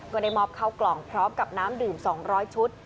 ก็ได้มอบเข้ากล่องพร้อมกับน้ำดื่ม๒๐๐ชุด